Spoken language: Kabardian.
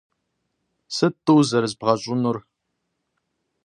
Сыт тӀу зэрызбгъэщӀынур?